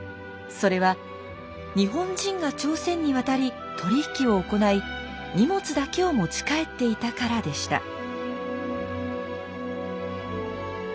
それは日本人が朝鮮に渡り取り引きを行い荷物だけを持ち帰っていたからでした。